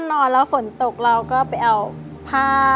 ทั้งในเรื่องของการทำงานเคยทำนานแล้วเกิดปัญหาน้อย